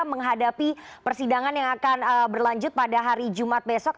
menghadapi persidangan yang akan berlanjut pada hari jumat besok